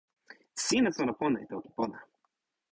sina sona pona e toki pona.